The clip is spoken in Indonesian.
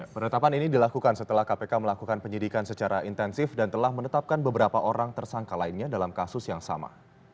penetapan ini dilakukan setelah kpk melakukan penyidikan secara intensif dan telah menetapkan beberapa orang tersangka lainnya dalam kasus yang sama